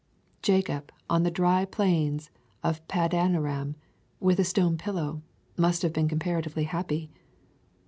Jacob on the dry plains of Padan aram, with a stone pillow, must have been comparatively happy.